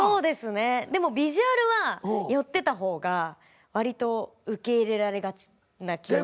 でもビジュアルは寄ってた方がわりと受け入れられがちな気もしますし。